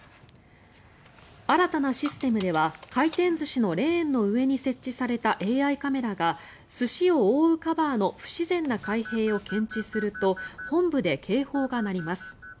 新たなシステムでは回転寿司のレーンの上に設置されたＡＩカメラが寿司を覆うカバーの不自然な開閉を検知すると本部で警報が鳴ります。